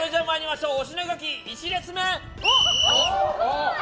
お品書き、１列目！